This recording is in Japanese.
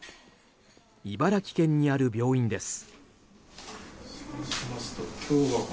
茨城県にある病院です。